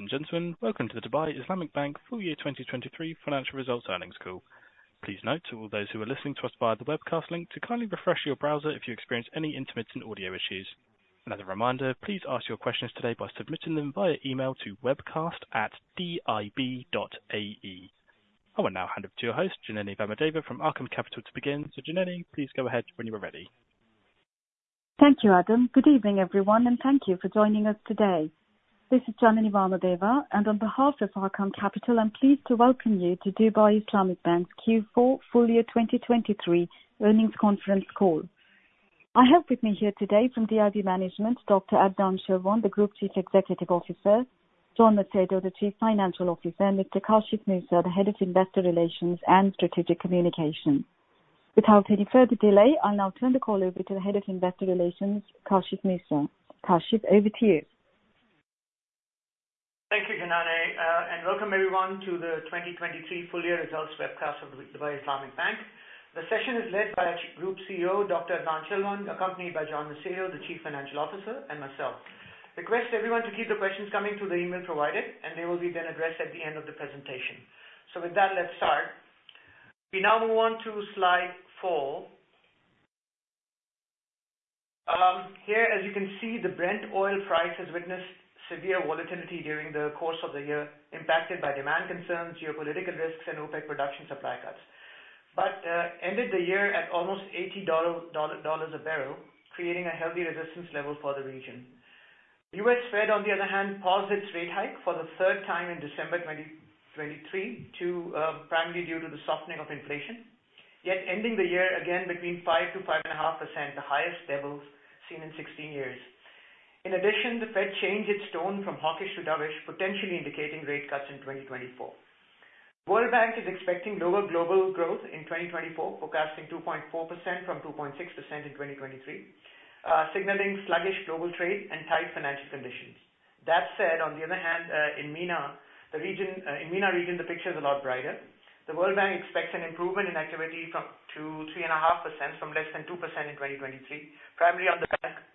Ladies and gentlemen, welcome to the Dubai Islamic Bank Full Year 2023 Financial Results Earnings Call. Please note to all those who are listening to us via the webcast link to kindly refresh your browser if you experience any intermittent audio issues. Another reminder, please ask your questions today by submitting them via email to webcast@dib.ae. I will now hand over to your host, Janany Vamadeva from Arqaam Capital to begin. So, Janany, please go ahead when you are ready. Thank you, Adam. Good evening, everyone, and thank you for joining us today. This is Janany Vamadeva, and on behalf of Arqaam Capital, I'm pleased to welcome you to Dubai Islamic Bank's Q4 Full Year 2023 Earnings Conference Call. I have with me here today from DIB management, Dr. Adnan Chilwan, the Group Chief Executive Officer; John Macedo, the Chief Financial Officer; and Mr. Kashif Nisar, the Head of Investor Relations and Strategic Communications. Without any further delay, I'll now turn the call over to the Head of Investor Relations, Kashif Nisar. Kashif, over to you. Thank you, Janany, and welcome everyone to the 2023 full year results webcast of the Dubai Islamic Bank. The session is led by our Group CEO, Dr. Adnan Chilwan, accompanied by John Macedo, the Chief Financial Officer, and myself. Request everyone to keep the questions coming to the email provided, and they will be then addressed at the end of the presentation. So with that, let's start. We now move on to slide four. Here, as you can see, the Brent oil price has witnessed severe volatility during the course of the year, impacted by demand concerns, geopolitical risks, and OPEC production supply cuts. But ended the year at almost $80 a barrel, creating a healthy resistance level for the region. U.S. Fed, on the other hand, paused its rate hike for the third time in December 2023 to, primarily due to the softening of inflation, yet ending the year again between 5%-5.5%, the highest levels seen in 16 years. In addition, the Fed changed its tone from hawkish to dovish, potentially indicating rate cuts in 2024. World Bank is expecting lower global growth in 2024, forecasting 2.4% from 2.6% in 2023, signaling sluggish global trade and tight financial conditions. That said, on the other hand, in the MENA region, the picture is a lot brighter. The World Bank expects an improvement in activity from 2%-3.5%, from less than 2% in 2023, primarily on the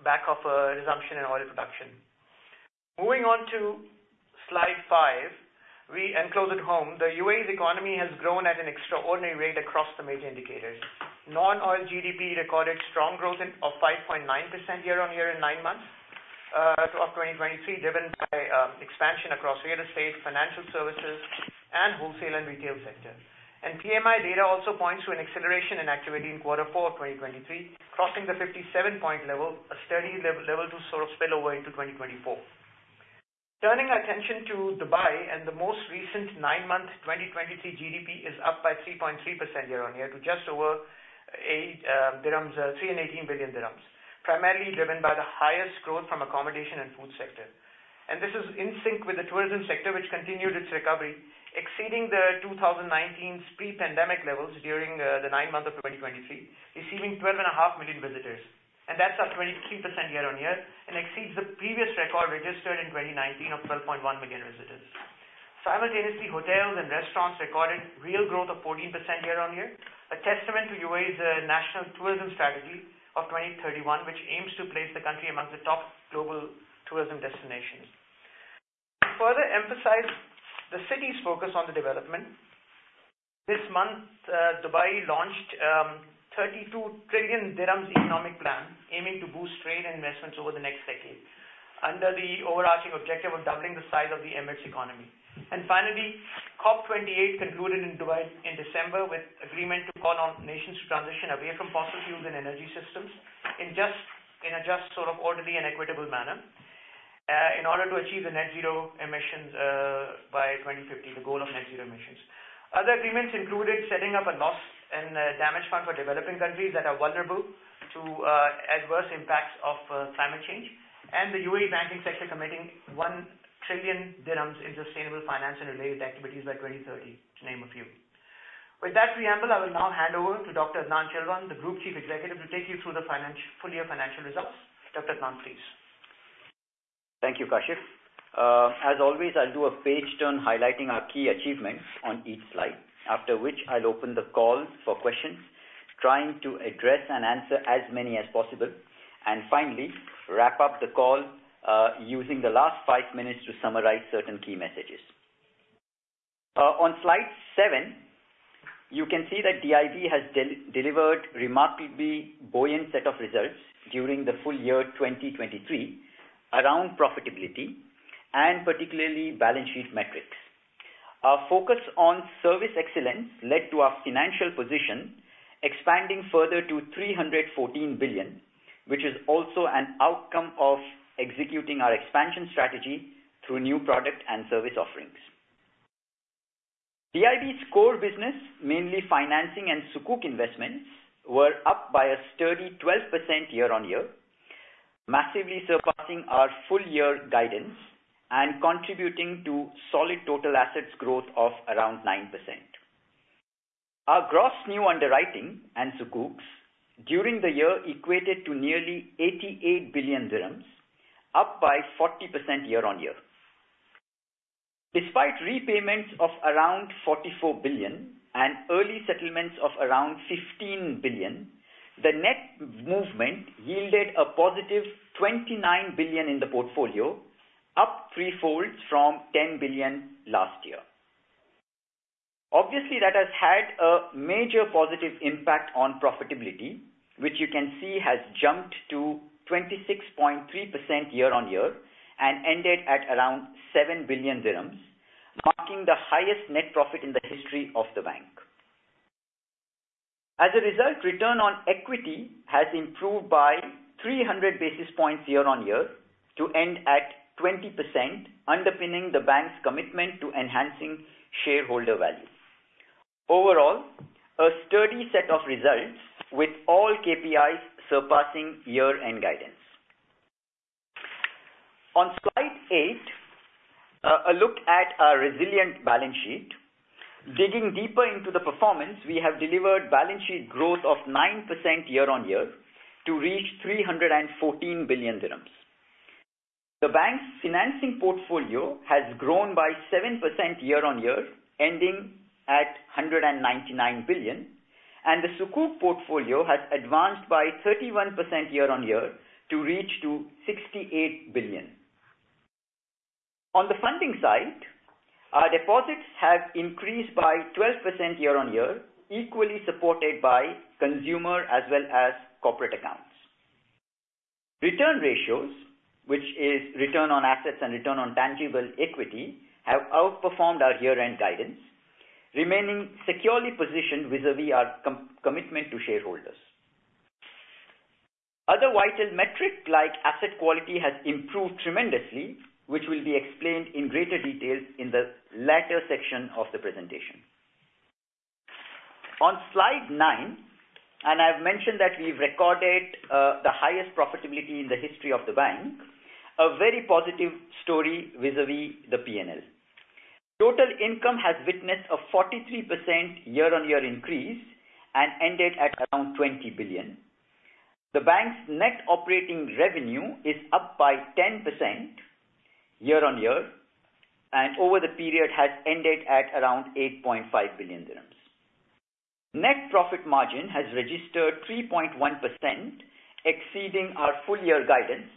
back of resumption in oil production. Moving on to slide five, and closer to home, the UAE's economy has grown at an extraordinary rate across the major indicators. Non-oil GDP recorded strong growth of 5.9% year-on-year in nine months of 2023, driven by expansion across real estate, financial services, and wholesale and retail sector. PMI data also points to an acceleration in activity in quarter four of 2023, crossing the 57-point level, a steady level to sort of spill over into 2024. Turning our attention to Dubai and the most recent nine month 2023 GDP is up by 3.3% year-on-year, to just over 831.8 billion dirhams. Primarily driven by the highest growth from accommodation and food sector. And this is in sync with the tourism sector, which continued its recovery, exceeding the 2019's pre-pandemic levels during the nine months of 2023, receiving 12.5 million visitors. And that's up 23% year-on-year and exceeds the previous record registered in 2019 of 12.1 million visitors. Simultaneously, hotels and restaurants recorded real growth of 14% year-on-year, a testament to UAE's National Tourism Strategy of 2031, which aims to place the country among the top global tourism destinations. To further emphasize the city's focus on the development, this month, Dubai launched 32 trillion dirhams economic plan, aiming to boost trade and investments over the next decade under the overarching objective of doubling the size of the Emirates economy. And finally, COP28 concluded in Dubai in December with agreement to call on nations to transition away from fossil fuels and energy systems, in a just sort of orderly and equitable manner, in order to achieve the net zero emissions by 2050, the goal of net zero emissions. Other agreements included setting up a Loss and Damage Fund for developing countries that are vulnerable to adverse impacts of climate change, and the UAE banking sector committing 1 trillion dirhams in sustainable finance and related activities by 2030, to name a few. With that preamble, I will now hand over to Dr. Adnan Chilwan, the Group Chief Executive, to take you through the full year financial results. Dr. Adnan, please. Thank you, Kashif. As always, I'll do a page turn highlighting our key achievements on each slide. After which, I'll open the call for questions, trying to address and answer as many as possible. Finally, wrap up the call, using the last five minutes to summarize certain key messages. On slide seven, you can see that DIB has delivered remarkably buoyant set of results during the full year 2023, around profitability and particularly balance sheet metrics. Our focus on service excellence led to our financial position expanding further to 314 billion, which is also an outcome of executing our expansion strategy through new product and service offerings. DIB's core business, mainly financing and sukuk investments, were up by a sturdy 12% year-on-year, massively surpassing our full year guidance and contributing to solid total assets growth of around 9%. Our gross new underwriting and sukuks during the year equated to nearly 88 billion dirhams, up by 40% year-on-year. Despite repayments of around 44 billion and early settlements of around 15 billion, the net movement yielded a positive 29 billion in the portfolio, up threefold from 10 billion last year. Obviously, that has had a major positive impact on profitability, which you can see has jumped to 26.3% year-on-year and ended at around 7 billion dirhams, marking the highest net profit in the history of the bank. As a result, return on equity has improved by 300 basis points year-on-year to end at 20%, underpinning the bank's commitment to enhancing shareholder value. Overall, a sturdy set of results with all KPIs surpassing year-end guidance. On slide eight, a look at our resilient balance sheet. Digging deeper into the performance, we have delivered balance sheet growth of 9% year-on-year to reach 314 billion dirhams. The bank's financing portfolio has grown by 7% year-on-year, ending at 199 billion, and the sukuk portfolio has advanced by 31% year-on-year to reach 68 billion. On the funding side, our deposits have increased by 12% year-on-year, equally supported by consumer as well as corporate accounts. Return ratios, which is return on assets and return on tangible equity, have outperformed our year-end guidance, remaining securely positioned vis-à-vis our commitment to shareholders. Other vital metric, like asset quality, has improved tremendously, which will be explained in greater detail in the latter section of the presentation. On slide nine, and I've mentioned that we've recorded the highest profitability in the history of the bank, a very positive story vis-à-vis the P&L. Total income has witnessed a 43% year-on-year increase and ended at around 20 billion. The bank's net operating revenue is up by 10% year-on-year, and over the period has ended at around 8.5 billion dirhams. Net profit margin has registered 3.1%, exceeding our full year guidance,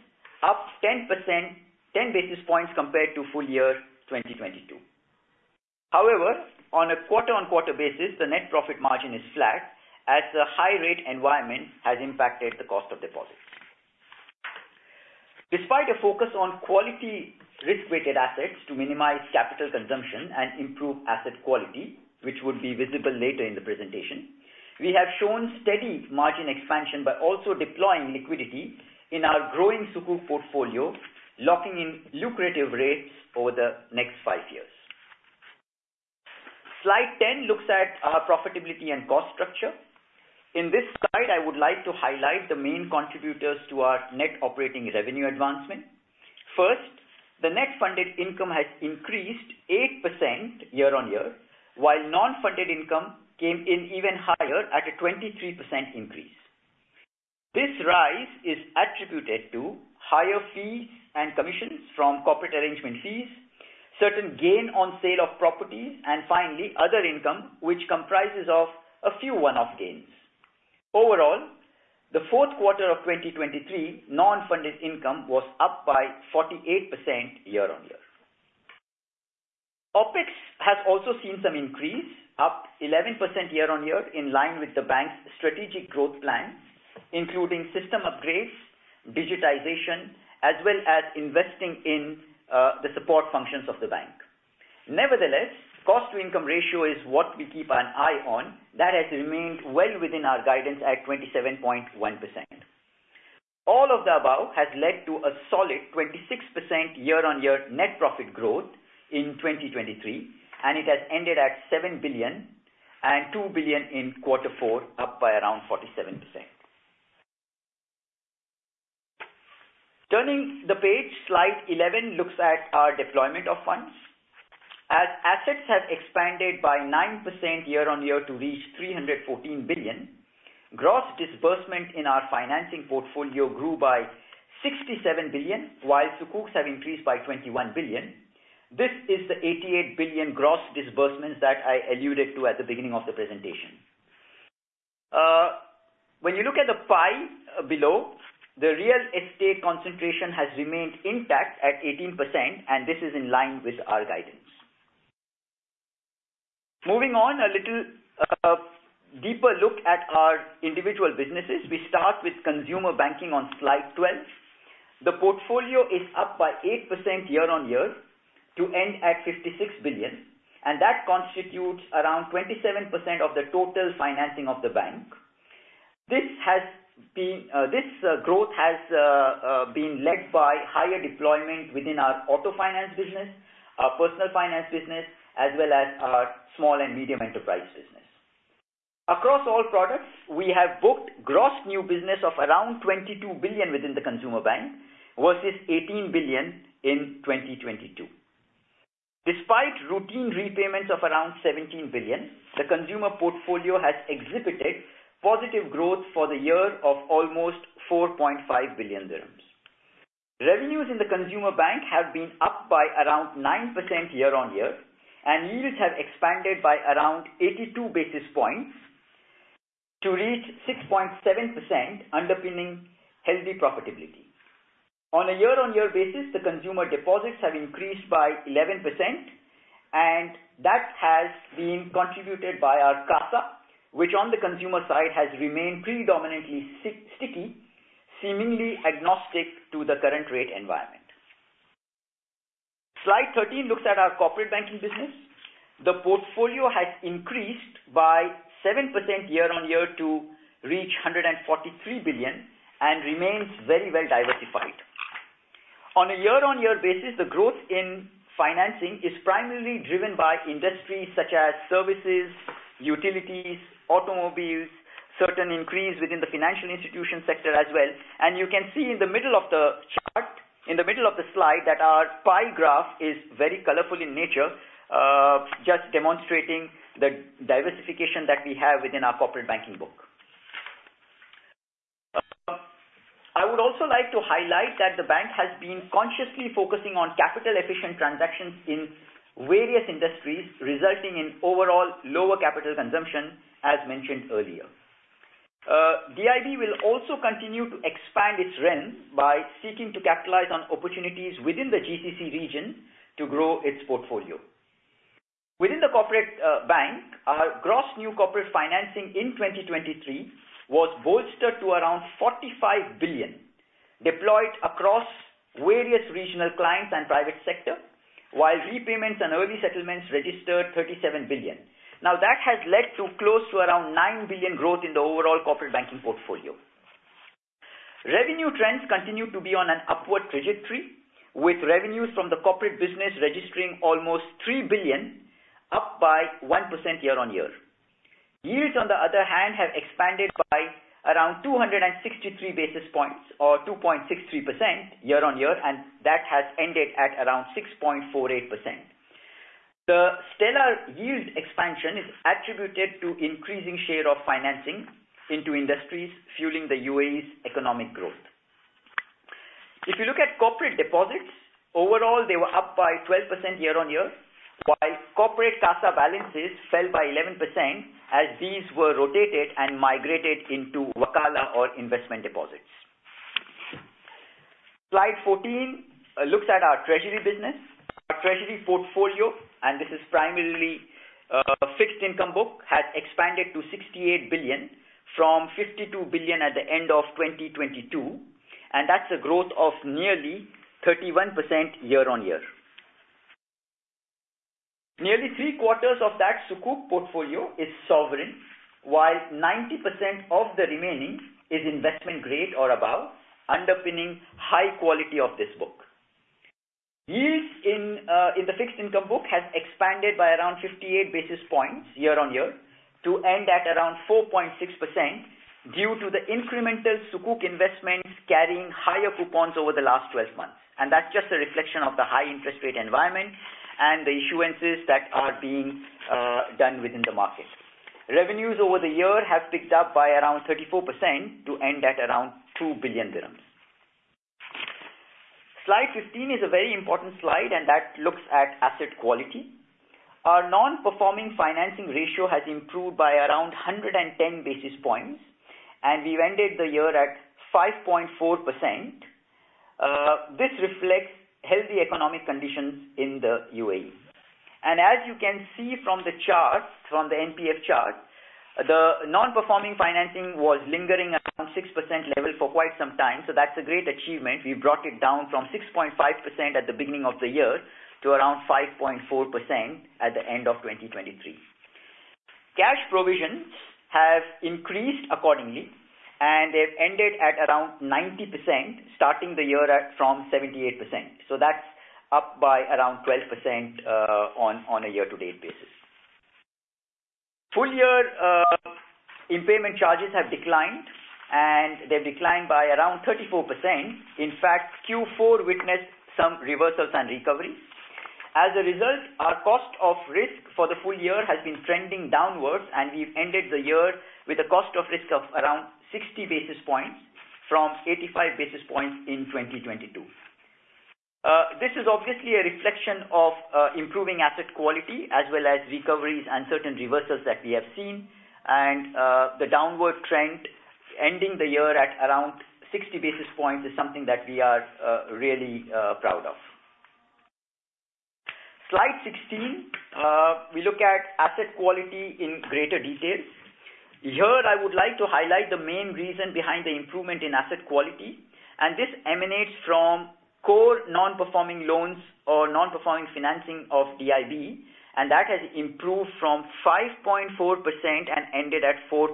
up 10%, 10 basis points compared to full year 2022. However, on a quarter-on-quarter basis, the net profit margin is flat, as the high rate environment has impacted the cost of deposits. Despite a focus on quality risk-weighted assets to minimize capital consumption and improve asset quality, which would be visible later in the presentation, we have shown steady margin expansion by also deploying liquidity in our growing sukuk portfolio, locking in lucrative rates over the next five years. Slide 10 looks at our profitability and cost structure. In this slide, I would like to highlight the main contributors to our net operating revenue advancement. First, the net funded income has increased 8% year-on-year, while non-funded income came in even higher at a 23% increase. This rise is attributed to higher fees and commissions from corporate arrangement fees, certain gain on sale of properties, and finally, other income, which comprises of a few one-off gains. Overall, the fourth quarter of 2023, non-funded income was up by 48% year-on-year. OpEx has also seen some increase, up 11% year-on-year, in line with the bank's strategic growth plan, including system upgrades, digitization, as well as investing in the support functions of the bank. Nevertheless, cost-to-income ratio is what we keep an eye on. That has remained well within our guidance at 27.1%. All of the above has led to a solid 26% year-on-year net profit growth in 2023, and it has ended at 7 billion and 2 billion in quarter four, up by around 47%. Turning the page, slide 11 looks at our deployment of funds. As assets have expanded by 9% year-on-year to reach 314 billion, gross disbursement in our financing portfolio grew by 67 billion, while sukuks have increased by 21 billion. This is the 88 billion gross disbursements that I alluded to at the beginning of the presentation. When you look at the pie below, the real estate concentration has remained intact at 18%, and this is in line with our guidance. Moving on, a little deeper look at our individual businesses. We start with consumer banking on slide 12. The portfolio is up by 8% year-over-year, to end at 56 billion, and that constitutes around 27% of the total financing of the bank. This has been. This growth has been led by higher deployment within our auto finance business, our personal finance business, as well as our small and medium enterprise business. Across all products, we have booked gross new business of around 22 billion within the consumer bank, versus 18 billion in 2022. Despite routine repayments of around 17 billion, the consumer portfolio has exhibited positive growth for the year of almost 4.5 billion dirhams. Revenues in the consumer bank have been up by around 9% year-over-year, and yields have expanded by around 82 basis points to reach 6.7%, underpinning healthy profitability. On a year-on-year basis, the consumer deposits have increased by 11%, and that has been contributed by our CASA, which on the consumer side, has remained predominantly sticky, seemingly agnostic to the current rate environment. Slide 13 looks at our corporate banking business. The portfolio has increased by 7% year-on-year to reach 143 billion and remains very well diversified. On a year-on-year basis, the growth in financing is primarily driven by industries such as services, utilities, automobiles, certain increase within the financial institution sector as well. And you can see in the middle of the chart, in the middle of the slide, that our pie graph is very colorful in nature, just demonstrating the diversification that we have within our corporate banking book. I would also like to highlight that the bank has been consciously focusing on capital-efficient transactions in various industries, resulting in overall lower capital consumption, as mentioned earlier. DIB will also continue to expand its reach by seeking to capitalize on opportunities within the GCC region to grow its portfolio. Within the corporate bank, our gross new corporate financing in 2023 was bolstered to around 45 billion, deployed across various regional clients and private sector, while repayments and early settlements registered 37 billion. Now, that has led to close to around 9 billion growth in the overall corporate banking portfolio. Revenue trends continue to be on an upward trajectory, with revenues from the corporate business registering almost 3 billion, up by 1% year-on-year. Yields, on the other hand, have expanded by around 263 basis points or 2.63% year-on-year, and that has ended at around 6.48%. The stellar yield expansion is attributed to increasing share of financing into industries, fueling the UAE's economic growth. If you look at corporate deposits, overall, they were up by 12% year-on-year, while corporate CASA balances fell by 11% as these were rotated and migrated into Wakalah or investment deposits. Slide 14 looks at our treasury business. Our treasury portfolio, and this is primarily, fixed income book, has expanded to 68 billion from 52 billion at the end of 2022, and that's a growth of nearly 31% year-on-year. Nearly three-quarters of that sukuk portfolio is sovereign, while 90% of the remaining is investment grade or above, underpinning high quality of this book. Yields in in the fixed income book has expanded by around 58 basis points year-on-year to end at around 4.6% due to the incremental sukuk investments carrying higher coupons over the last 12 months. That's just a reflection of the high interest rate environment and the issuances that are being done within the market. Revenues over the year have picked up by around 34% to end at around 2 billion dirhams. Slide 15 is a very important slide, and that looks at asset quality. Our non-performing financing ratio has improved by around 110 basis points, and we've ended the year at 5.4%. This reflects healthy economic conditions in the UAE. As you can see from the chart, from the NPF chart, the non-performing financing was lingering around 6% level for quite some time, so that's a great achievement. We brought it down from 6.5% at the beginning of the year to around 5.4% at the end of 2023. Cash provisions have increased accordingly, and they've ended at around 90%, starting the year at from 78%. So that's up by around 12%, on a year-to-date basis. Full year, impairment charges have declined, and they've declined by around 34%. In fact, Q4 witnessed some reversals and recovery. As a result, our cost of risk for the full year has been trending downwards, and we've ended the year with a cost of risk of around 60 basis points from 85 basis points in 2022. This is obviously a reflection of improving asset quality, as well as recoveries and certain reversals that we have seen. The downward trend, ending the year at around 60 basis points, is something that we are really proud of. Slide 16, we look at asset quality in greater detail. Here, I would like to highlight the main reason behind the improvement in asset quality, and this emanates from core non-performing loans or non-performing financing of DIB, and that has improved from 5.4% and ended at 4.5%.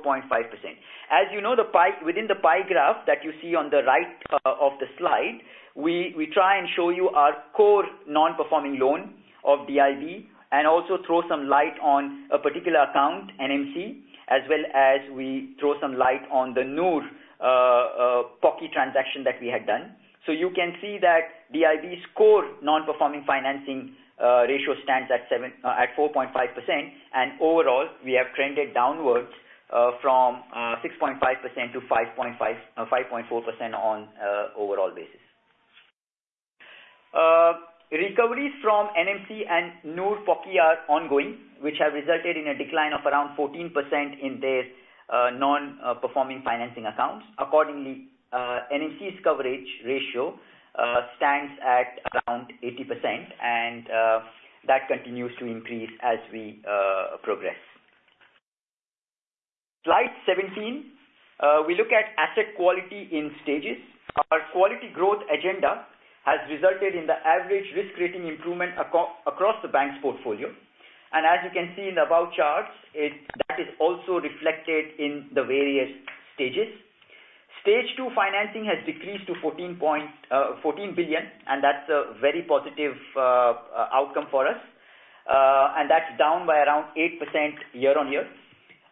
As you know, the pie within the pie graph that you see on the right of the slide, we try and show you our core non-performing financing of DIB and also throw some light on a particular account, NMC, as well as we throw some light on the Noor Bank portfolio transaction that we had done. So you can see that DIB's core non-performing financing ratio stands at 4.5%, and overall, we have trended downwards from 6.5%-5.4% on overall basis. Recoveries from NMC and Noor Bank portfolio are ongoing, which have resulted in a decline of around 14% in their non-performing financing accounts. Accordingly, NMC's coverage ratio stands at around 80%, and that continues to increase as we progress. Slide 17, we look at asset quality in stages. Our quality growth agenda has resulted in the average risk rating improvement across the bank's portfolio, and as you can see in the above charts, that is also reflected in the various stages. Stage two financing has decreased to 14 billion, and that's a very positive outcome for us. That's down by around 8% year-on-year.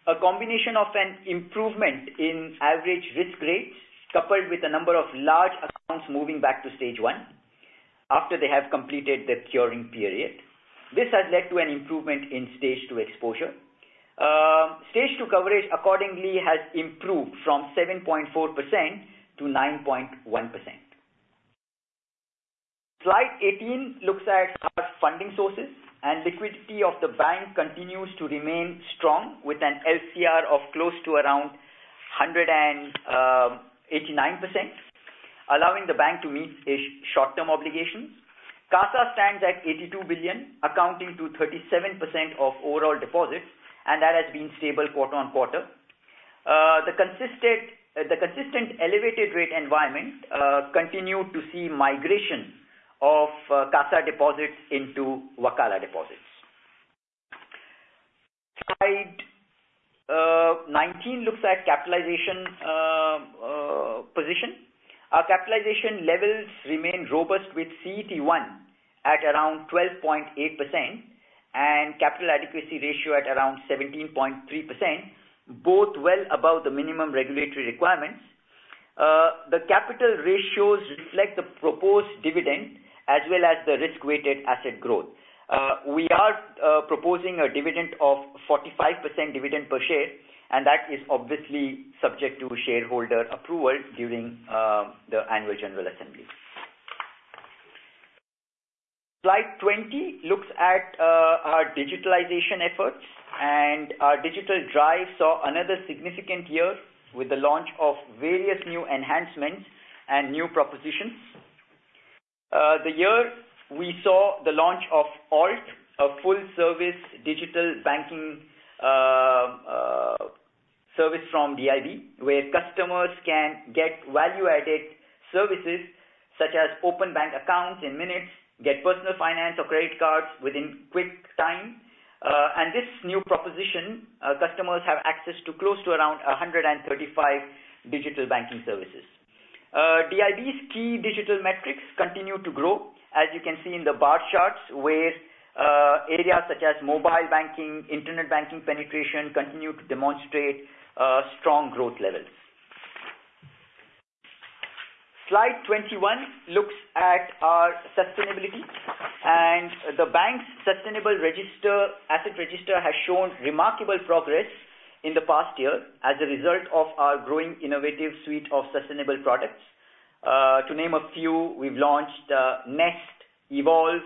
A combination of an improvement in average risk rates, coupled with a number of large accounts moving back to Stage one after they have completed their curing period. This has led to an improvement in Stage two exposure. Stage two coverage accordingly has improved from 7.4%-9.1%. Slide 18 looks at our funding sources, and liquidity of the bank continues to remain strong, with an LCR of close to around 189%, allowing the bank to meet its short-term obligations. CASA stands at 82 billion, accounting for 37% of overall deposits, and that has been stable quarter-on-quarter. The consistent elevated rate environment continued to see migration of CASA deposits into Wakalah deposits. Slide 19 looks at capitalization position. Our capitalization levels remain robust, with CET1 at around 12.8% and capital adequacy ratio at around 17.3%, both well above the minimum regulatory requirements. The capital ratios reflect the proposed dividend as well as the risk-weighted asset growth. We are proposing a dividend of 45% dividend per share, and that is obviously subject to shareholder approval during the annual general assembly. Slide 20 looks at our digitalization efforts, and our digital drive saw another significant year with the launch of various new enhancements and new propositions. The year we saw the launch of alt, a full-service digital banking service from DIB, where customers can get value-added services such as open bank accounts in minutes, get personal finance or credit cards within quick time. And this new proposition, customers have access to close to around 135 digital banking services. DIB's key digital metrics continue to grow, as you can see in the bar charts, where areas such as mobile banking, internet banking penetration continue to demonstrate strong growth levels. Slide 21 looks at our sustainability, and the bank's sustainable asset register has shown remarkable progress in the past year as a result of our growing innovative suite of sustainable products. To name a few, we've launched Nest, Evolve,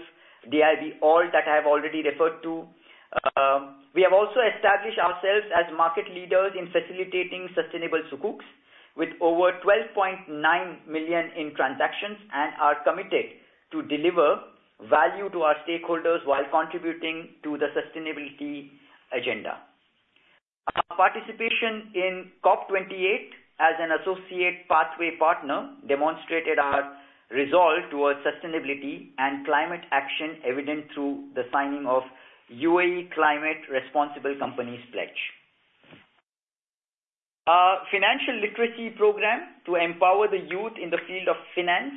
DIB alt, that I have already referred to. We have also established ourselves as market leaders in facilitating sustainable sukuks, with over 12.9 billion in transactions, and are committed to deliver value to our stakeholders while contributing to the sustainability agenda. Our participation in COP28 as an associate pathway partner demonstrated our resolve towards sustainability and climate action evident through the signing of UAE Climate-Responsible Companies Pledge. Our financial literacy program to empower the youth in the field of finance,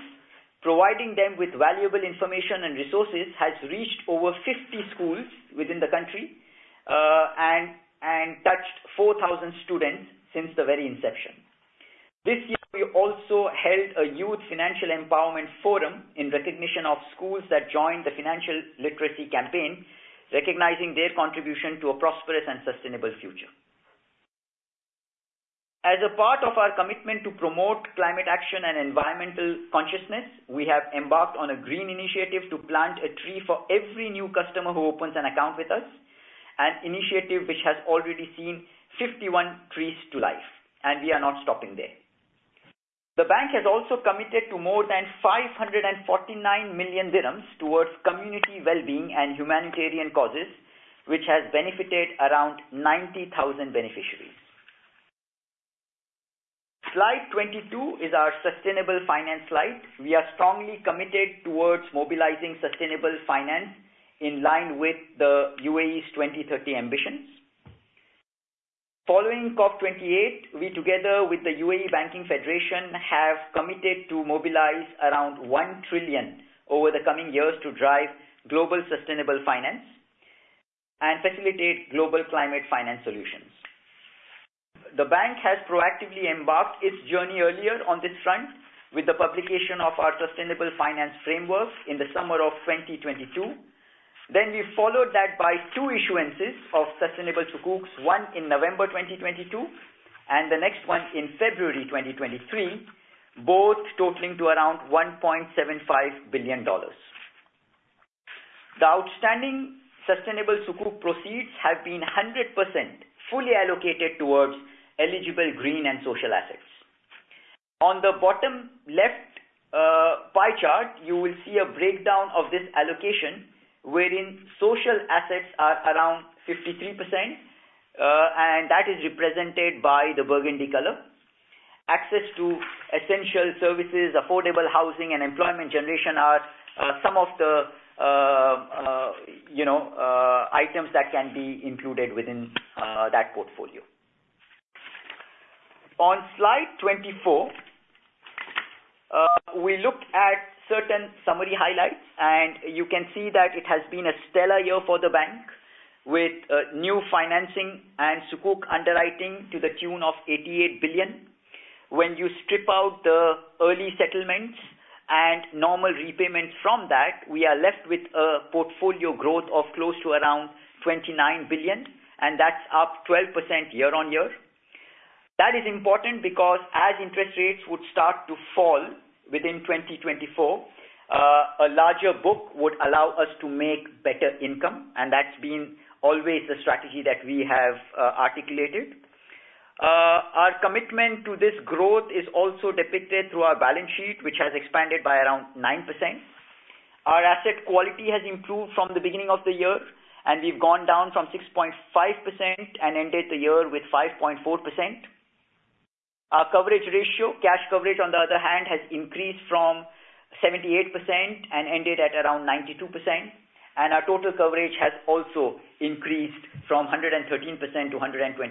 providing them with valuable information and resources, has reached over 50 schools within the country, and touched 4,000 students since the very inception. This year, we also held a Youth Financial Empowerment Forum in recognition of schools that joined the financial literacy campaign, recognizing their contribution to a prosperous and sustainable future. As a part of our commitment to promote climate action and environmental consciousness, we have embarked on a green initiative to plant a tree for every new customer who opens an account with us, an initiative which has already seen 51 trees to life, and we are not stopping there. The bank has also committed to more than 549 million dirhams towards community well-being and humanitarian causes, which has benefited around 90,000 beneficiaries. Slide 22 is our sustainable finance slide. We are strongly committed toward mobilizing sustainable finance in line with the UAE's 2030 ambitions. Following COP28, we, together with the UAE Banking Federation, have committed to mobilize around 1 trillion over the coming years to drive global sustainable finance and facilitate global climate finance solutions. The bank has proactively embarked its journey earlier on this front with the publication of our Sustainable Finance Framework in the summer of 2022. Then we followed that by two issuances of sustainable sukuks, one in November 2022, and the next one in February 2023, both totaling to around $1.75 billion. The outstanding sustainable sukuk proceeds have been 100% fully allocated toward eligible green and social assets. On the bottom left, pie chart, you will see a breakdown of this allocation, wherein social assets are around 53%, and that is represented by the burgundy color. Access to essential services, affordable housing, and employment generation are, some of the, you know, items that can be included within, that portfolio. On slide 24, we looked at certain summary highlights, and you can see that it has been a stellar year for the bank, with, new financing and sukuk underwriting to the tune of 88 billion. When you strip out the early settlements and normal repayments from that, we are left with a portfolio growth of close to around 29 billion, and that's up 12% year-on-year. That is important because as interest rates would start to fall within 2024, a larger book would allow us to make better income, and that's been always the strategy that we have articulated. Our commitment to this growth is also depicted through our balance sheet, which has expanded by around 9%. Our asset quality has improved from the beginning of the year, and we've gone down from 6.5% and ended the year with 5.4%. Our coverage ratio, cash coverage, on the other hand, has increased from 78% and ended at around 92%, and our total coverage has also increased from 113%-121%.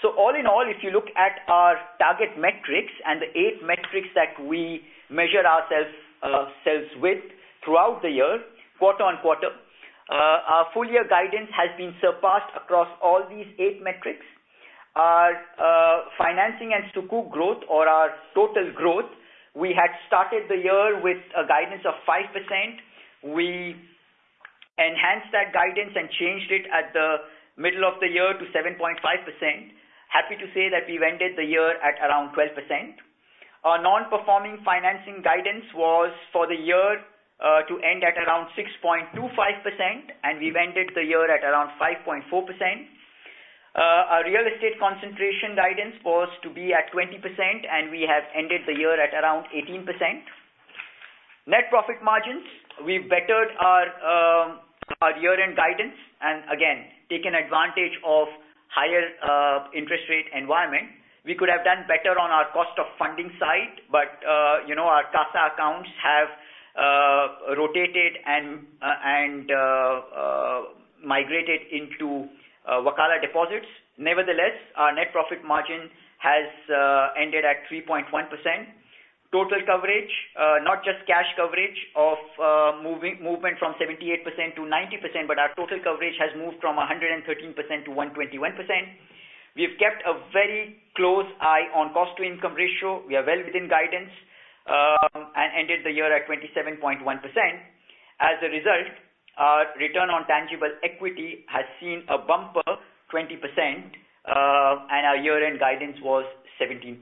So all in all, if you look at our target metrics and the eight metrics that we measure ourselves with throughout the year, quarter-on-quarter, our full year guidance has been surpassed across all these eight metrics. Our financing and sukuk growth or our total growth, we had started the year with a guidance of 5%. We enhanced that guidance and changed it at the middle of the year to 7.5%. Happy to say that we've ended the year at around 12%. Our non-performing financing guidance was for the year to end at around 6.25%, and we've ended the year at around 5.4%. Our real estate concentration guidance was to be at 20%, and we have ended the year at around 18%. Net profit margins, we've bettered our our year-end guidance and again, taken advantage of higher interest rate environment. We could have done better on our cost of funding side, but you know, our CASA accounts have rotated and migrated into Wakalah deposits. Nevertheless, our net profit margin has ended at 3.1%. Total coverage, not just cash coverage of movement from 78%-90%, but our total coverage has moved from 113%-121%. We've kept a very close eye on cost-to-income ratio. We are well within guidance and ended the year at 27.1%. As a result, our return on tangible equity has seen a bumper 20%, and our year-end guidance was 17%.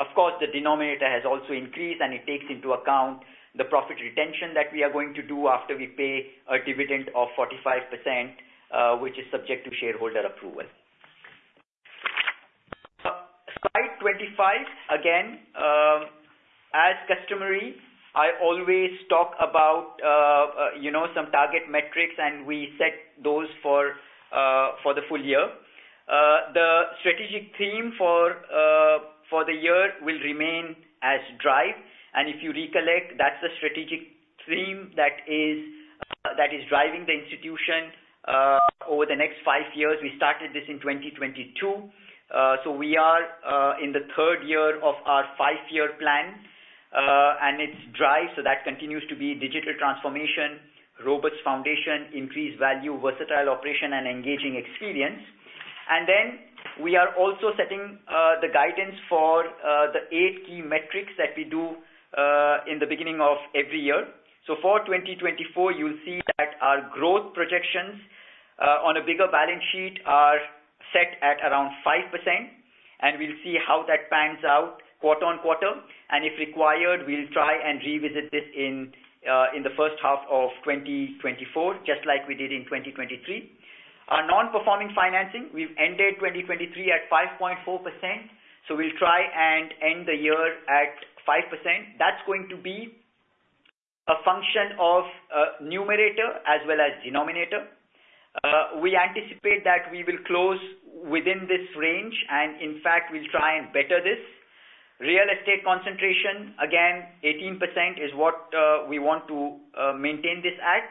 Of course, the denominator has also increased, and it takes into account the profit retention that we are going to do after we pay a dividend of 45%, which is subject to shareholder approval. Slide 25, again, as customary, I always talk about, you know, some target metrics, and we set those for the full year. The strategic theme for the year will remain as DRIVE, and if you recollect, that's the strategic theme that is driving the institution over the next five years. We started this in 2022. So we are in the third year of our five-year plan, and it's DRIVE. So that continues to be digital transformation, robust foundation, increased value, versatile operation, and engaging experience. Then we are also setting the guidance for the eight key metrics that we do in the beginning of every year. So for 2024, you'll see that our growth projections on a bigger balance sheet are set at around 5%, and we'll see how that pans out quarter-over-quarter. And if required, we'll try and revisit this in the first half of 2024, just like we did in 2023. Our non-performing financing, we've ended 2023 at 5.4%, so we'll try and end the year at 5%. That's going to be a function of numerator as well as denominator. We anticipate that we will close within this range, and in fact, we'll try and better this. Real estate concentration, again, 18% is what we want to maintain this at.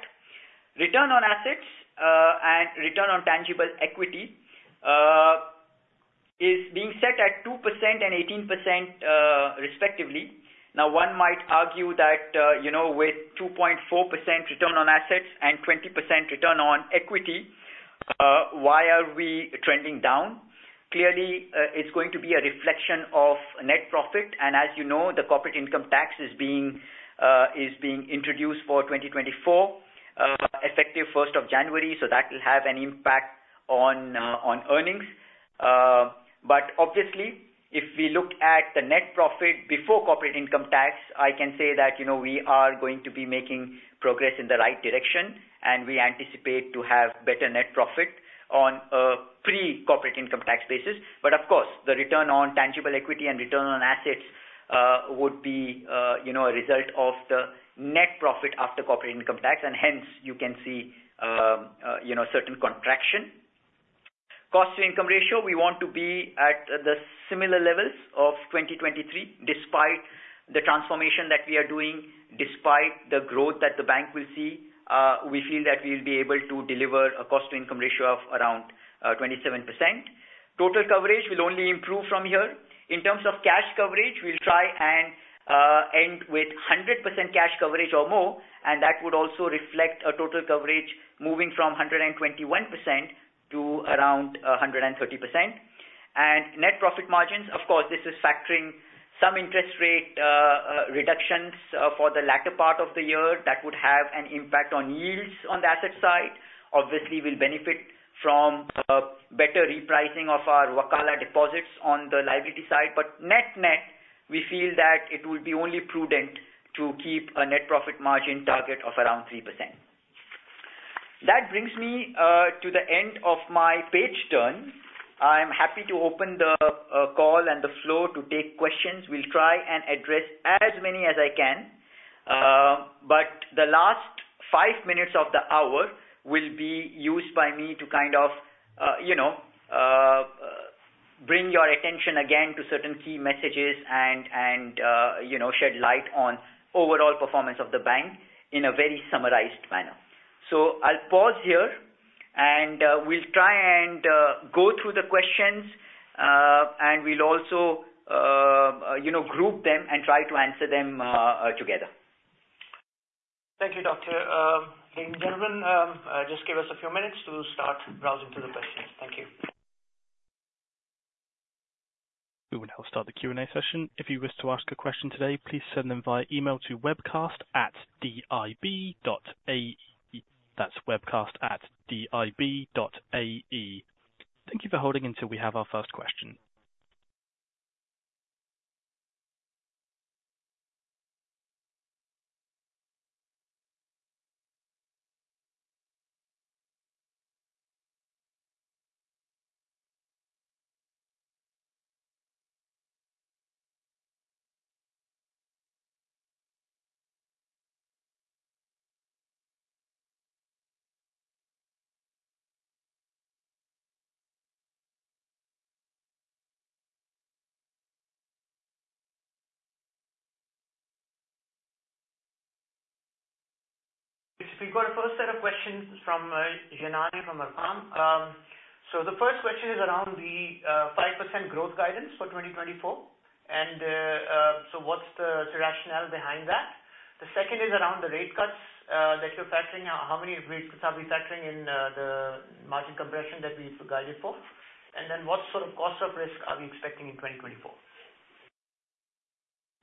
Return on assets and return on tangible equity is being set at 2% and 18%, respectively. Now, one might argue that, you know, with 2.4% return on assets and 20% return on equity, why are we trending down? Clearly, it's going to be a reflection of net profit, and as you know, the corporate income tax is being introduced for 2024, effective January 1, so that will have an impact on earnings. But obviously, if we look at the net profit before corporate income tax, I can say that, you know, we are going to be making progress in the right direction, and we anticipate to have better net profit on a pre-corporate income tax basis. But of course, the Return on Tangible Equity and Return on Assets, would be, you know, a result of the net profit after corporate income tax, and hence you can see, you know, certain contraction. Cost-to-Income Ratio, we want to be at the similar levels of 2023, despite the transformation that we are doing, despite the growth that the bank will see, we feel that we'll be able to deliver a Cost-to-Income Ratio of around, 27%. Total coverage will only improve from here. In terms of cash coverage, we'll try and, end with 100% cash coverage or more, and that would also reflect a total coverage moving from 121% to around, 130%. Net profit margins, of course, this is factoring some interest rate reductions for the latter part of the year that would have an impact on yields on the asset side. Obviously, we'll benefit from better repricing of our Wakalah deposits on the liability side, but net-net, we feel that it will be only prudent to keep a net profit margin target of around 3%. That brings me to the end of my page turn. I'm happy to open the call and the floor to take questions. We'll try and address as many as I can, but the last five minutes of the hour will be used by me to kind of you know bring your attention again to certain key messages and you know shed light on overall performance of the bank in a very summarized manner. I'll pause here, and we'll try and go through the questions, and we'll also, you know, group them and try to answer them together. Thank you, Doctor. Ladies and gentlemen, just give us a few minutes to start browsing through the questions. Thank you. We will now start the Q&A session. If you wish to ask a question today, please send them via email to webcast@dib.ae. That's webcast@dib.ae. Thank you for holding until we have our first question. We've got a first set of questions from Janany from Arqaam. So the first question is around the 5% growth guidance for 2024, and so what's the rationale behind that? The second is around the rate cuts that you're factoring out. How many rate cuts are we factoring in, the margin compression that we've guided for? And then what sort of cost of risk are we expecting in 2024?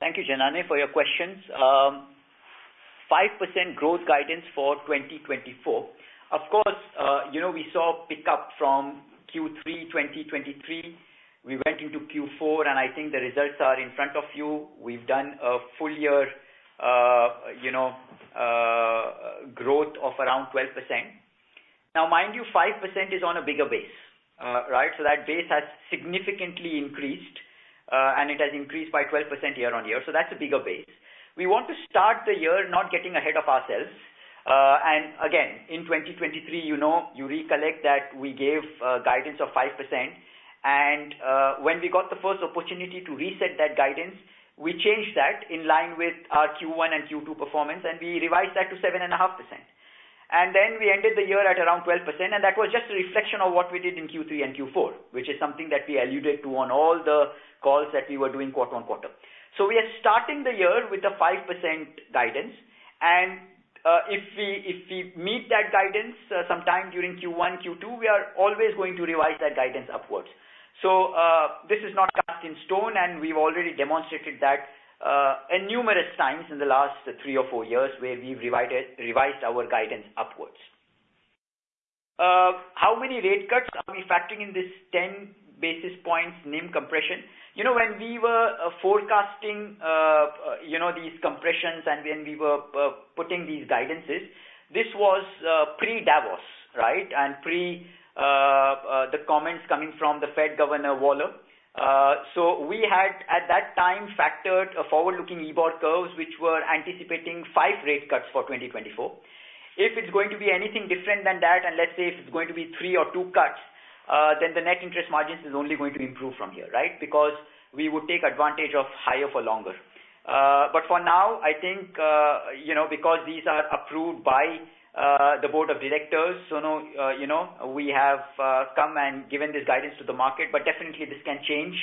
Thank you, Janany, for your questions. 5% growth guidance for 2024. Of course, you know, we saw pickup from Q3 2023. We went into Q4, and I think the results are in front of you. We've done a full year, you know, growth of around 12%. Now, mind you, 5% is on a bigger base, right? So that base has significantly increased, and it has increased by 12% year-on-year, so that's a bigger base. We want to start the year not getting ahead of ourselves. And again, in 2023, you know, you recollect that we gave a guidance of 5%, and, when we got the first opportunity to reset that guidance, we changed that in line with our Q1 and Q2 performance, and we revised that to 7.5%. Then we ended the year at around 12%, and that was just a reflection of what we did in Q3 and Q4, which is something that we alluded to on all the calls that we were doing quarter on quarter. So we are starting the year with a 5% guidance, and if we meet that guidance sometime during Q1, Q2, we are always going to revise that guidance upwards. So this is not cast in stone, and we've already demonstrated that in numerous times in the last three or four years, where we've revised our guidance upwards. How many rate cuts are we factoring in this 10 basis points NIM compression? You know, when we were forecasting you know these compressions and when we were putting these guidances, this was pre-Davos, right? And pre the comments coming from the Fed Governor Waller. So we had, at that time, factored a forward-looking EIBOR curves, which were anticipating five rate cuts for 2024. If it's going to be anything different than that, and let's say if it's going to be three or two cuts, then the net interest margins is only going to improve from here, right? Because we would take advantage of higher for longer. But for now, I think, you know, because these are approved by the board of directors, so no, you know, we have come and given this guidance to the market, but definitely this can change,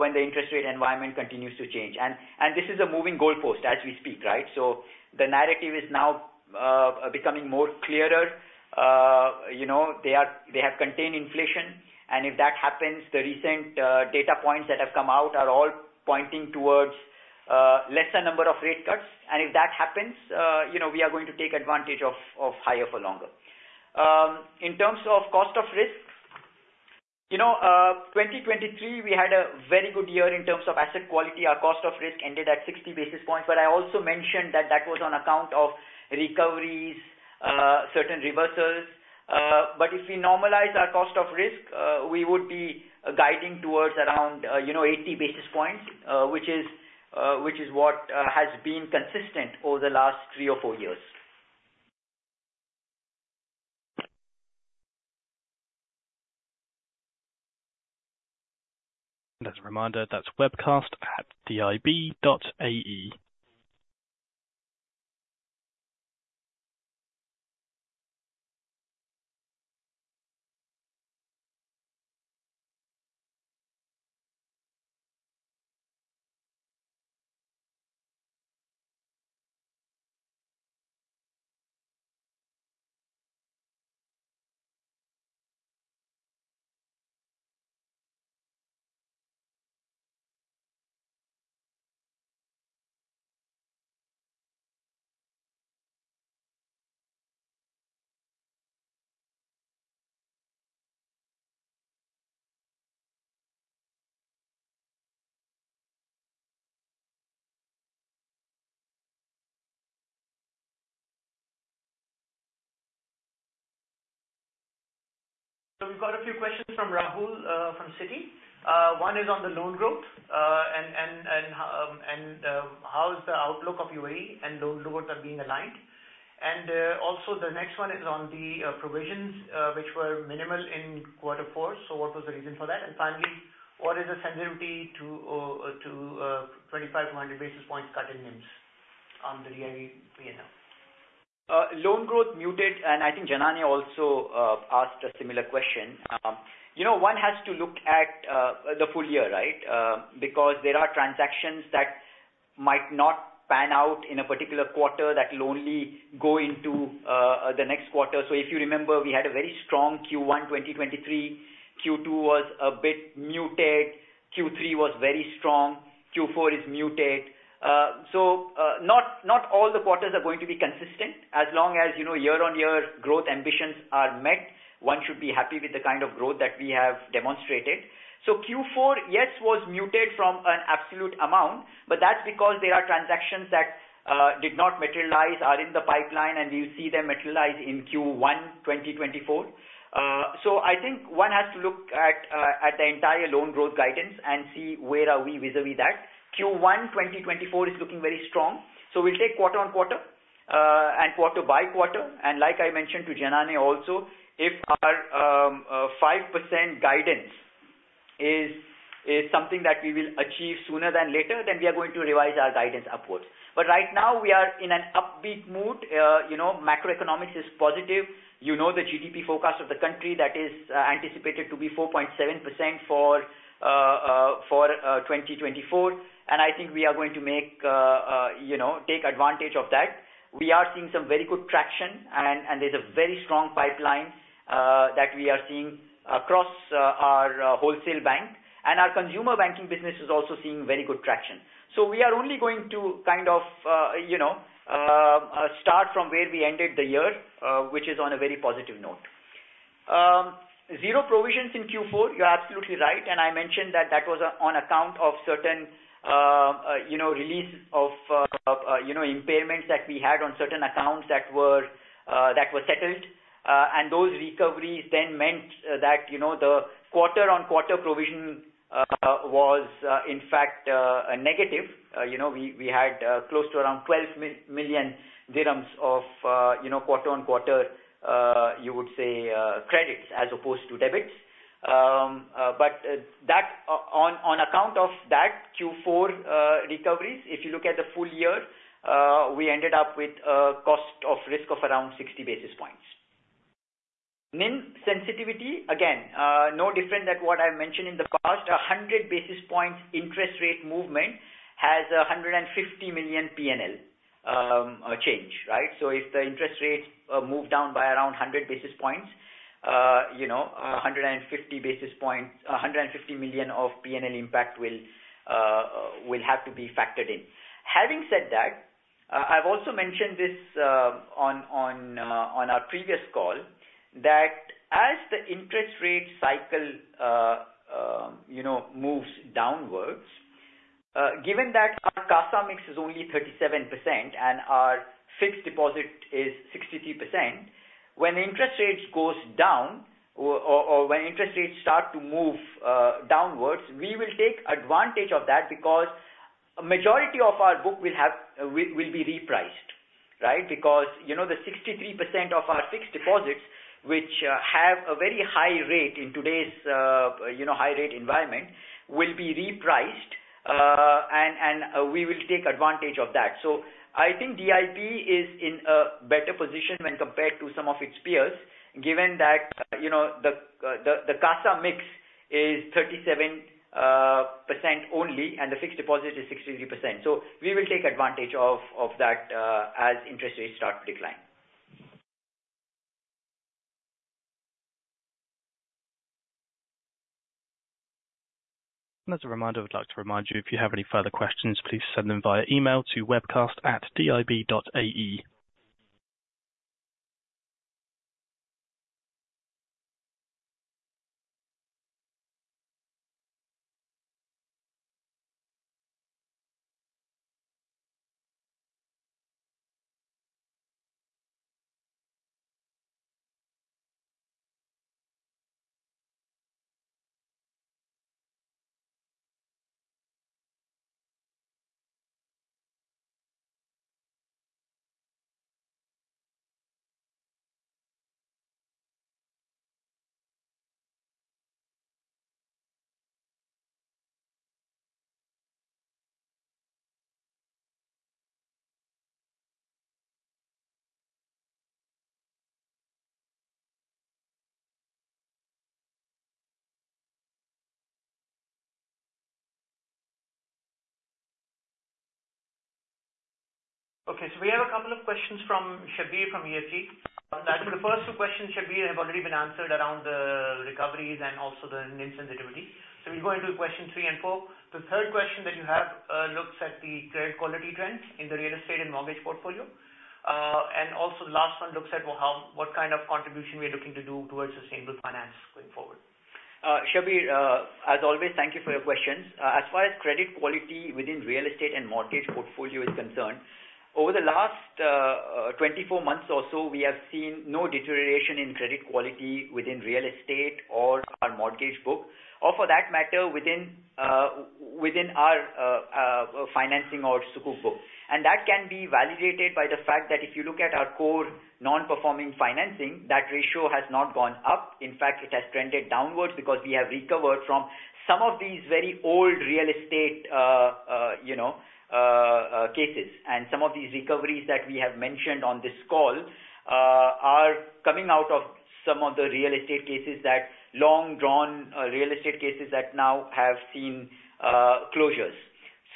when the interest rate environment continues to change. And this is a moving goalpost as we speak, right? So the narrative is now becoming more clearer. You know, they are- they have contained inflation, and if that happens, the recent data points that have come out are all pointing towards lesser number of rate cuts. And if that happens, you know, we are going to take advantage of higher for longer. In terms of cost of risk, you know, 2023, we had a very good year in terms of asset quality. Our cost of risk ended at 60 basis points, but I also mentioned that that was on account of recoveries, certain reversals. But if we normalize our cost of risk, we would be guiding towards around, you know, 80 basis points, which is-- which is what has been consistent over the last three or four years. As a reminder, that's webcast@dib.ae. So we've got a few questions from Rahul from Citi. One is on the loan growth, and how is the outlook of UAE and loan growth are being aligned? And also the next one is on the provisions, which were minimal in quarter four. So what was the reason for that? And finally, what is the sensitivity to 2,500 basis points cut in NIMs on the DIB P&L? Loan growth muted, and I think Janany also asked a similar question. You know, one has to look at the full year, right? Because there are transactions that might not pan out in a particular quarter, that will only go into the next quarter. So if you remember, we had a very strong Q1 2023, Q2 was a bit muted, Q3 was very strong, Q4 is muted. So, not all the quarters are going to be consistent. As long as, you know, year-on-year growth ambitions are met, one should be happy with the kind of growth that we have demonstrated. So Q4, yes, was muted from an absolute amount, but that's because there are transactions that did not materialize, are in the pipeline, and we will see them materialize in Q1 2024. So I think one has to look at, at the entire loan growth guidance and see where are we vis-a-vis that. Q1 2024 is looking very strong. So we'll take quarter on quarter, and quarter by quarter. And like I mentioned to Janany also, if our 5% guidance is something that we will achieve sooner than later, then we are going to revise our guidance upwards. But right now we are in an upbeat mood. You know, macroeconomics is positive. You know, the GDP forecast of the country that is anticipated to be 4.7% for 2024. And I think we are going to make, you know, take advantage of that. We are seeing some very good traction, and there's a very strong pipeline that we are seeing across our wholesale bank. And our consumer banking business is also seeing very good traction. So we are only going to kind of you know start from where we ended the year, which is on a very positive note. zero provisions in Q4, you're absolutely right. And I mentioned that that was on account of certain you know release of you know impairments that we had on certain accounts that were settled. And those recoveries then meant that you know the quarter-over-quarter provision was in fact negative. You know, we had close to around 12 million dirhams of, you know, quarter on quarter, you would say, credits as opposed to debits. But that on account of that Q4 recoveries, if you look at the full year, we ended up with a cost of risk of around 60 basis points. NIM sensitivity, again, no different than what I mentioned in the past. A 100 basis points interest rate movement has a 150 million P&L, change, right? So if the interest rates move down by around 100 basis points, you know, a 150 basis points, 150 million of P&L impact will have to be factored in. Having said that, I've also mentioned this on our previous call, that as the interest rate cycle, you know, moves downwards, given that our CASA mix is only 37% and our fixed deposit is 63%, when interest rates goes down or when interest rates start to move downwards, we will take advantage of that because a majority of our book will be repriced, right? Because, you know, the 63% of our fixed deposits, which have a very high rate in today's, you know, high rate environment, will be repriced. And we will take advantage of that. I think DIB is in a better position when compared to some of its peers, given that, you know, the CASA mix is 37% only, and the fixed deposit is 63%. We will take advantage of that as interest rates start to decline. As a reminder, I would like to remind you, if you have any further questions, please send them via email to webcast@dib.ae. Okay, so we have a couple of questions from Shabbir, from EFG. The first two questions, Shabbir, have already been answered around the recoveries and also the sensitivity. So we'll go into question three and four. The third question that you have looks at the credit quality trends in the real estate and mortgage portfolio. And also the last one looks at how—what kind of contribution we are looking to do towards sustainable finance going forward. Shabbir, as always, thank you for your questions. As far as credit quality within real estate and mortgage portfolio is concerned, over the last 24 months or so, we have seen no deterioration in credit quality within real estate or our mortgage book, or for that matter, within our financing or sukuk book. And that can be validated by the fact that if you look at our core Non-Performing Financing, that ratio has not gone up. In fact, it has trended downwards because we have recovered from some of these very old real estate, you know, cases. And some of these recoveries that we have mentioned on this call are coming out of some of the real estate cases that long drawn real estate cases that now have seen closures.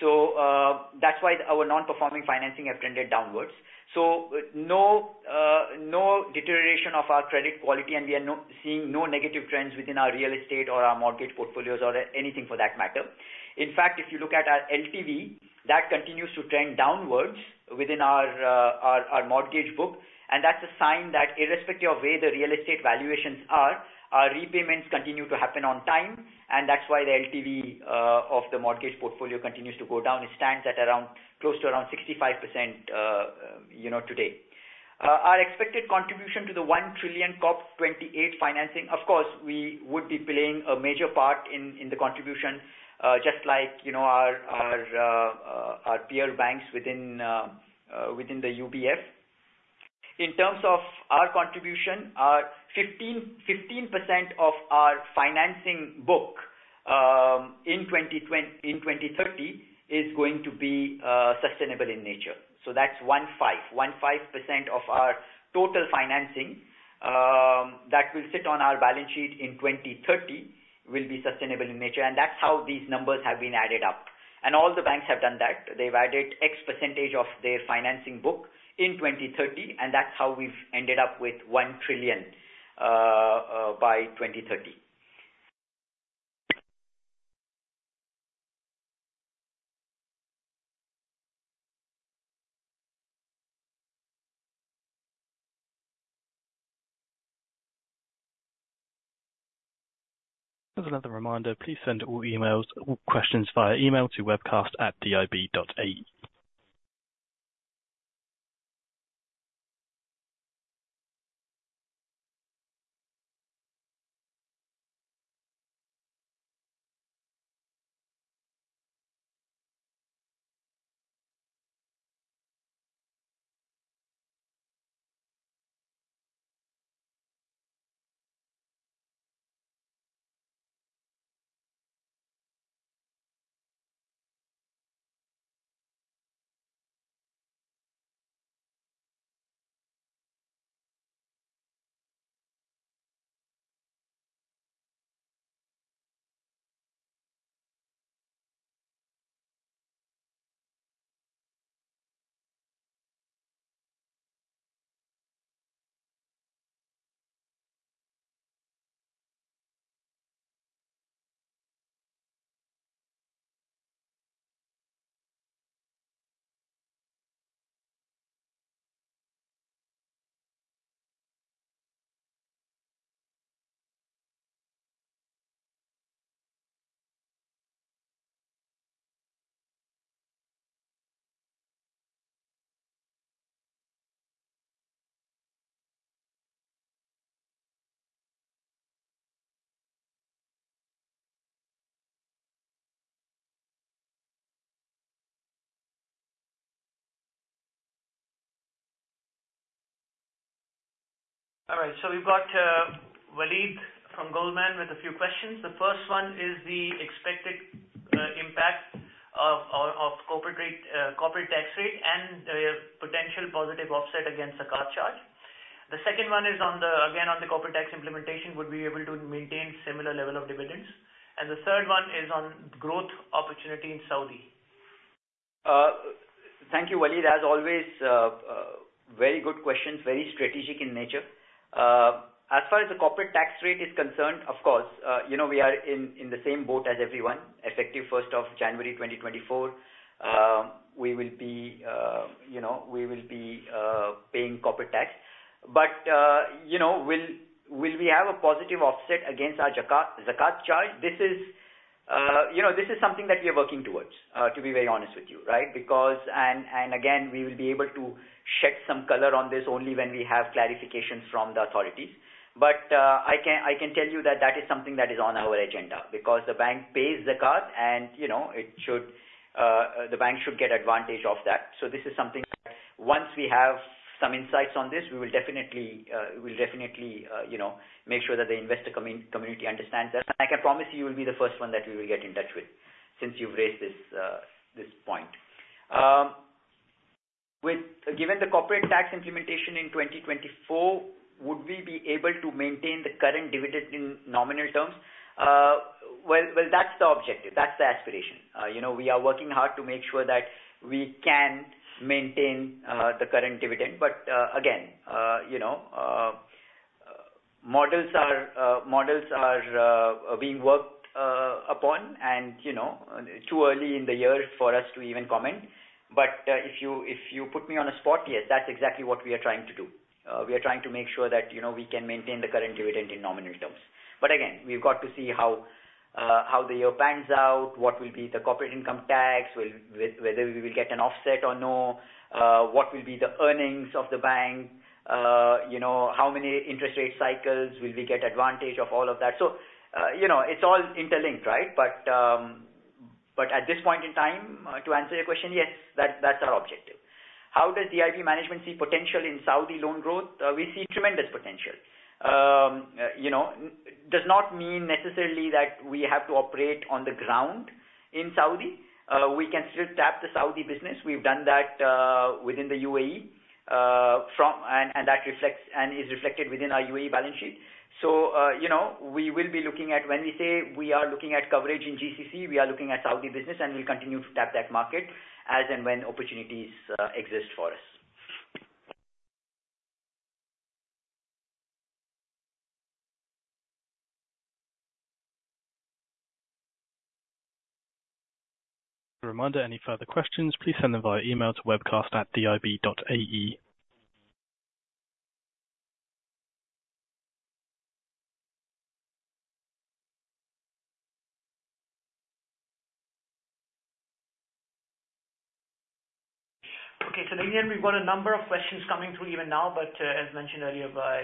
So, that's why our non-performing financing have trended downwards. No, no deterioration of our credit quality, and we are not seeing no negative trends within our real estate or our mortgage portfolios or anything for that matter. In fact, if you look at our LTV, that continues to trend downwards within our mortgage book, and that's a sign that irrespective of where the real estate valuations are, our repayments continue to happen on time, and that's why the LTV of the mortgage portfolio continues to go down. It stands at around, close to around 65%, you know, today. Our expected contribution to the 1 trillion COP28 financing. Of course, we would be playing a major part in the contribution, just like, you know, our peer banks within the UBF. In terms of our contribution, our 15, 15% of our financing book, in 2030 is going to be, sustainable in nature. So that's 15. 15% of our total financing, that will sit on our balance sheet in 2030, will be sustainable in nature, and that's how these numbers have been added up. All the banks have done that. They've added X percentage of their financing book in 2030, and that's how we've ended up with 1 trillion, by 2030. Just another reminder, please send all emails, all questions via email to webcast@dib.ae. All right, so we've got Waleed from Goldman with a few questions. The first one is the expected impact of corporate rate, corporate tax rate and the potential positive offset against the card charge. The second one is on the, again, on the corporate tax implementation, would we be able to maintain similar level of dividends? And the third one is on growth opportunity in Saudi. Thank you, Waleed. As always, very good questions, very strategic in nature. As far as the corporate tax rate is concerned, of course, you know, we are in the same boat as everyone. Effective first of January 2024, we will be, you know, we will be, paying corporate tax. But, you know, will we have a positive offset against our Zakat charge? This is, you know, this is something that we are working towards, to be very honest with you, right? Because and, and again, we will be able to shed some color on this only when we have clarifications from the authorities. But I can, I can tell you that that is something that is on our agenda because the bank pays Zakat and, you know, it should, the bank should get advantage of that. So this is something that once we have some insights on this, we will definitely, we will definitely, you know, make sure that the investor community understands that. And I can promise you, you will be the first one that we will get in touch with since you've raised this, this point. Given the corporate tax implementation in 2024, would we be able to maintain the current dividend in nominal terms? Well, well, that's the objective. That's the aspiration. You know, we are working hard to make sure that we can maintain, the current dividend. But again, you know, models are being worked upon, and you know, too early in the year for us to even comment. But if you put me on a spot, yes, that's exactly what we are trying to do. We are trying to make sure that, you know, we can maintain the current dividend in nominal terms. But again, we've got to see how the year pans out, what will be the corporate income tax, whether we will get an offset or no, what will be the earnings of the bank, you know, how many interest rate cycles will we get advantage of all of that? So you know, it's all interlinked, right? But at this point in time, to answer your question, yes, that's our objective. How does DIB management see potential in Saudi loan growth? We see tremendous potential. You know, does not mean necessarily that we have to operate on the ground in Saudi. We can still tap the Saudi business. We've done that within the UAE, and that reflects, and is reflected within our UAE balance sheet. So, you know, we will be looking at when we say we are looking at coverage in GCC, we are looking at Saudi business, and we'll continue to tap that market as and when opportunities exist for us. A reminder, any further questions, please send them via email to webcast@dib.ae. Okay, so again, we've got a number of questions coming through even now, but, as mentioned earlier by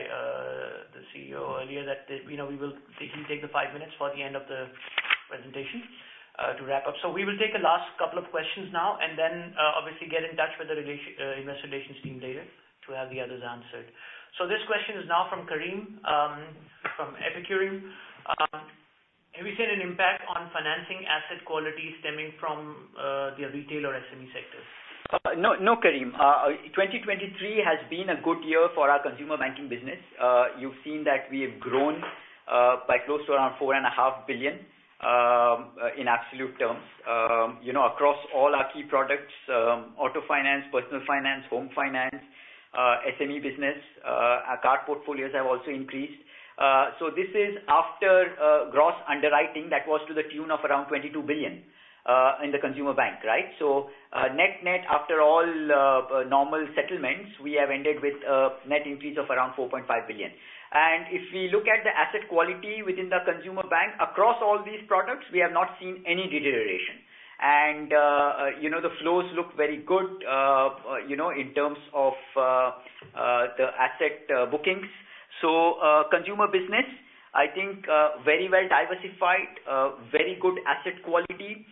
the CEO earlier, that, you know, we will take the five minutes for the end of the presentation, to wrap up. So we will take the last couple of questions now and then, obviously get in touch with the investor relations team later to have the others answered. So this question is now from Kareem from Epicure. Have you seen an impact on financing asset quality stemming from the retail or SME sectors? No, no, Kareem. 2023 has been a good year for our consumer banking business. You've seen that we have grown by close to around 4.5 billion in absolute terms. You know, across all our key products, auto finance, personal finance, home finance, SME business, our card portfolios have also increased. So this is after gross underwriting that was to the tune of around 22 billion in the consumer bank, right? So, net, net, after all normal settlements, we have ended with a net increase of around 4.5 billion. And if we look at the asset quality within the consumer bank, across all these products, we have not seen any deterioration. And, you know, the flows look very good, you know, in terms of, the asset, bookings. So, consumer business, I think, very well diversified, very good asset quality,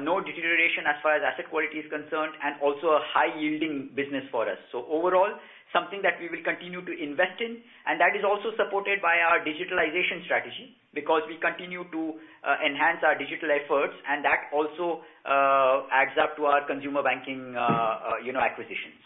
no deterioration as far as asset quality is concerned, and also a high-yielding business for us. So overall, something that we will continue to invest in, and that is also supported by our digitalization strategy, because we continue to, enhance our digital efforts, and that also, adds up to our consumer banking, you know, acquisitions.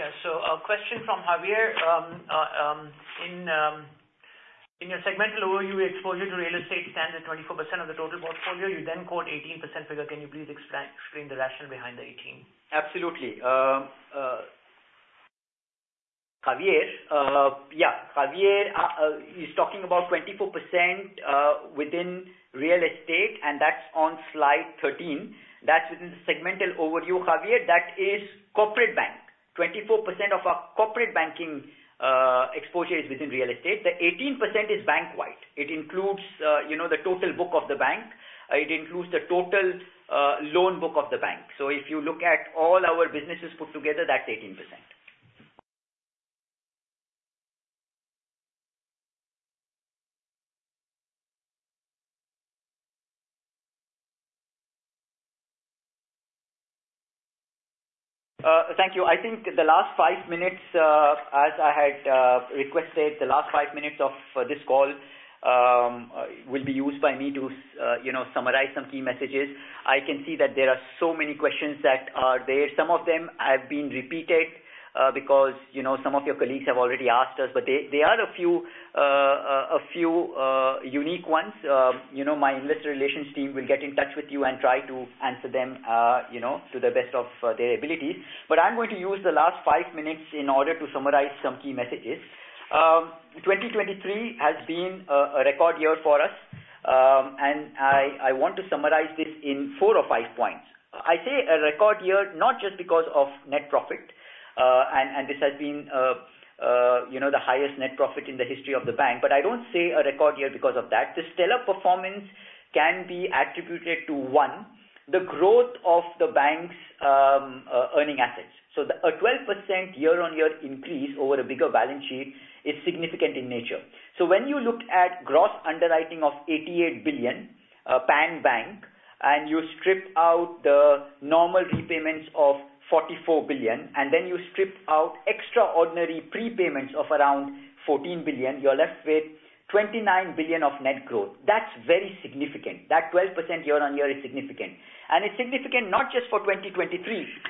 Yeah. So a question from Javier. In your segmental overview, your exposure to real estate stands at 24% of the total portfolio. You then quote 18% figure. Can you please explain the rationale behind the 18? Absolutely. Javier, yeah, Javier, he's talking about 24%, within real estate, and that's on slide 13. That's within the segmental overview, Javier, that is corporate bank. 24% of our corporate banking, exposure is within real estate. The 18% is bank-wide. It includes, you know, the total book of the bank. It includes the total, loan book of the bank. So if you look at all our businesses put together, that's 18%. Thank you. I think the last five minutes, as I had, requested, the last five minutes of this call, will be used by me to, you know, summarize some key messages. I can see that there are so many questions that are there. Some of them have been repeated, because, you know, some of your colleagues have already asked us, but they, there are a few, a few, unique ones. You know, my investor relations team will get in touch with you and try to answer them, you know, to the best of their abilities. But I'm going to use the last five minutes in order to summarize some key messages. 2023 has been a record year for us, and I want to summarize this in 4 or 5 points. I say a record year, not just because of net profit, and this has been, you know, the highest net profit in the history of the bank. But I don't say a record year because of that. This stellar performance can be attributed to, one, the growth of the bank's earning assets. So a 12% year-on-year increase over a bigger balance sheet is significant in nature. So when you looked at gross underwriting of 88 billion pan-bank, and you stripped out the normal repayments of 44 billion, and then you stripped out extraordinary prepayments of around 14 billion, you are left with 29 billion of net growth. That's very significant. That 12% year-on-year is significant. It's significant not just for 2023,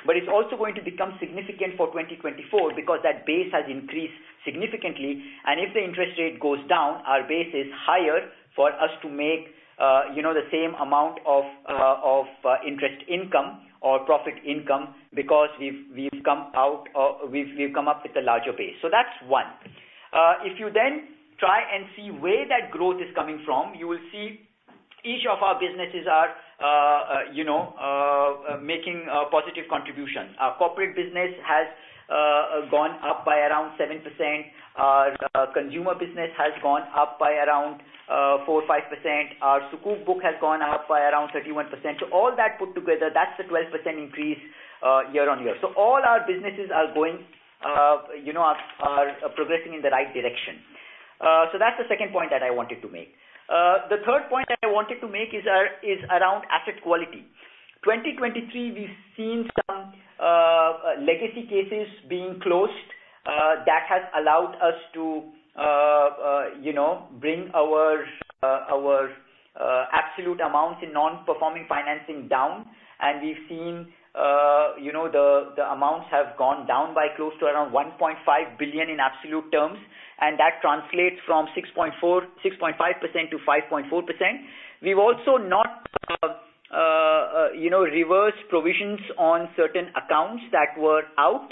but it's also going to become significant for 2024 because that base has increased significantly, and if the interest rate goes down, our base is higher for us to make, you know, the same amount of of interest income or profit income because we've come out, we've come up with a larger base. So that's one. If you then try and see where that growth is coming from, you will see each of our businesses are, you know, making a positive contribution. Our corporate business has gone up by around 7%. Our consumer business has gone up by around 4%-5%. Our sukuk book has gone up by around 31%. So all that put together, that's the 12% increase year-on-year. So all our businesses are going, you know, are progressing in the right direction. So that's the second point that I wanted to make. The third point that I wanted to make is around asset quality. 2023, we've seen some legacy cases being closed that has allowed us to you know, bring our absolute amounts in non-performing financing down. And we've seen you know, the amounts have gone down by close to around 1.5 billion in absolute terms, and that translates from 6.4, 6.5%-5.4%. We've also not you know, reverse provisions on certain accounts that were out.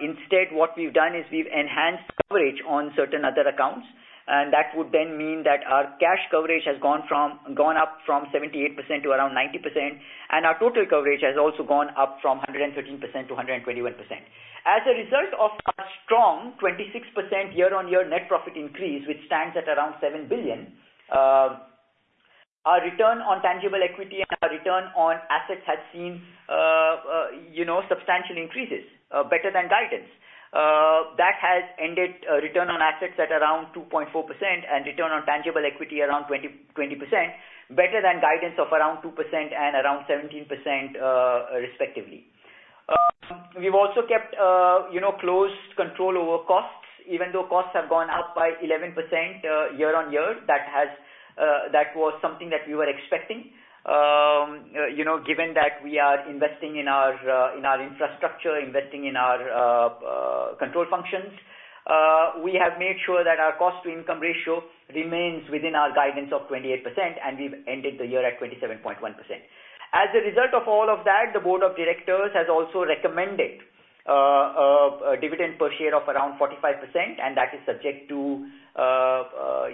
Instead, what we've done is we've enhanced coverage on certain other accounts, and that would then mean that our cash coverage has gone up from 78% to around 90%, and our total coverage has also gone up from 113%-121%. As a result of our strong 26% year-on-year net profit increase, which stands at around 7 billion, our return on tangible equity and our return on assets had seen, you know, substantial increases, better than guidance. That has ended return on assets at around 2.4% and return on tangible equity around 20, 20%, better than guidance of around 2% and around 17%, respectively. We've also kept, you know, close control over costs, even though costs have gone up by 11%, year-on-year. That was something that we were expecting. You know, given that we are investing in our infrastructure, investing in our control functions, we have made sure that our cost to income ratio remains within our guidance of 28%, and we've ended the year at 27.1%. As a result of all of that, the board of directors has also recommended a dividend per share of around 45%, and that is subject to,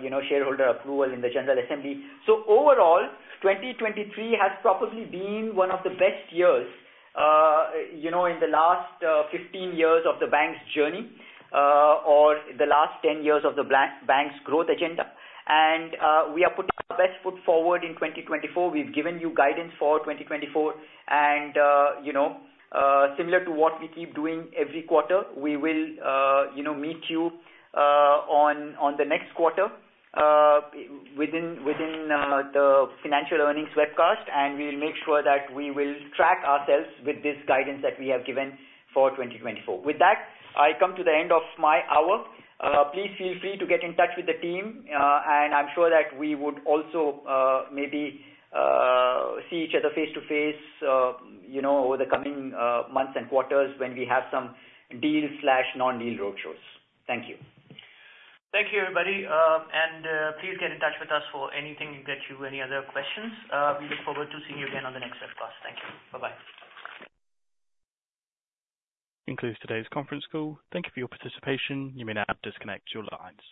you know, shareholder approval in the General Assembly. So overall, 2023 has probably been one of the best years, you know, in the last 15 years of the bank's journey, or the last 10 years of the bank's growth agenda. And we are putting our best foot forward in 2024. We've given you guidance for 2024, and you know, similar to what we keep doing every quarter, we will you know, meet you on the next quarter within the financial earnings webcast, and we'll make sure that we will track ourselves with this guidance that we have given for 2024. With that, I come to the end of my hour. Please feel free to get in touch with the team, and I'm sure that we would also, maybe, see each other face-to-face, you know, over the coming months and quarters when we have some deal/non-deal roadshows. Thank you. Thank you, everybody, and please get in touch with us for anything we get you any other questions. We look forward to seeing you again on the next webcast. Thank you. Bye-bye. Concludes today's conference call. Thank you for your participation. You may now disconnect your lines.